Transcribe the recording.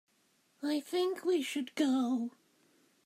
I think we should go.